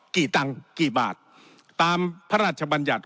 กี่ตังค์กี่บาทตามพระราชบัญญัติ